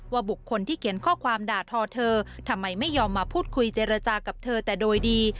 บุคคลที่เขียนข้อความด่าทอเธอทำไมไม่ยอมมาพูดคุยเจรจากับเธอแต่โดยดี